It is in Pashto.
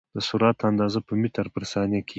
د سرعت اندازه په متر پر ثانیه کېږي.